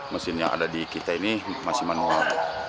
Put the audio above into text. mesin yang ada di kita ini masih manual